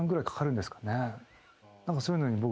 そういうのに僕。